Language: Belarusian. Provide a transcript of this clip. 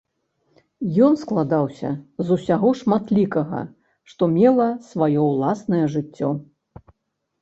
Ён складаўся з усяго шматлікага, што мела сваё ўласнае жыццё.